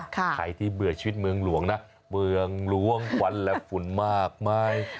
ใครที่เบื่อชีวิตเมืองหลวงนะเมืองหลวงควันและฝุ่นมากมาย